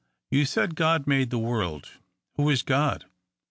— You said God made the world ; who is God